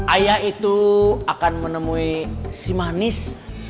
ayah itu akan menemui si manis